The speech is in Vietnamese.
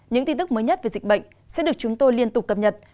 những tin tức mới nhất về dịch bệnh sẽ được chúng tôi liên tục cập nhật